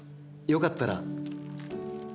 よかったら。